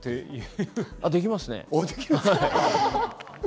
できます。